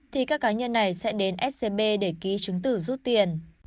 thì các cá nhân này sẽ đến scb để ký chứng tử rút tiền